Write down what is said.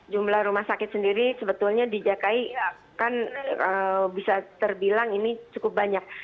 jumlah rumah sakit sendiri sebetulnya di dki kan bisa terbilang ini cukup banyak